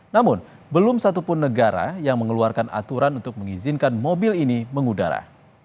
namun belum satupun negara yang mengeluarkan aturan untuk mengizinkan mobil ini mengudara